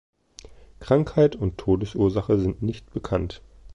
Krankheit und Todesursache sind nicht bekannt.